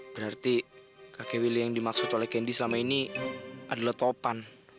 berarti kakek willy yang dimaksud oleh kendi selama ini adalah topan